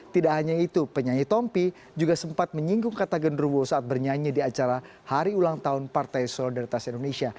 tidak hanya itu penyanyi tompi juga sempat menyinggung kata genruwo saat bernyanyi di acara hari ulang tahun partai solidaritas indonesia